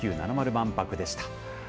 万博でした。